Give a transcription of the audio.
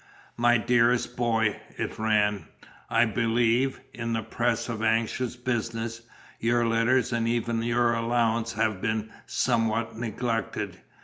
"My dearest boy," it ran, "I believe, in the press of anxious business, your letters and even your allowance have been somewhile neglected.